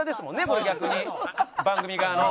これ逆に番組側の。